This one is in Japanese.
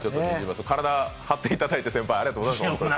体張っていただいて先輩、ありがとうございます。